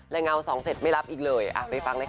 และเงา๒เสร็จไม่รับอีกเลยไปฟังเลยค่ะ